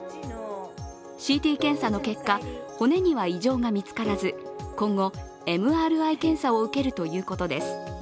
ＣＴ検査の結果、骨には異常が見つからず今後、ＭＲＩ検査を受けるということです。